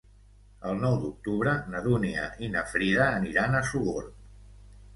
El nou d'octubre na Dúnia i na Frida aniran a Sogorb.